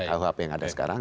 kuhp yang ada sekarang